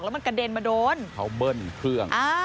แล้วมันกระเด็นมาโดนเขาเบิ้ลเครื่อง